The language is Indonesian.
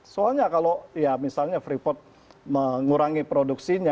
soalnya kalau ya misalnya freeport mengurangi produksinya misalnya kan